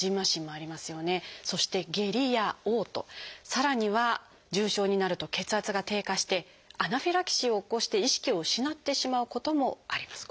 さらには重症になると血圧が低下してアナフィラキシーを起こして意識を失ってしまうこともあります。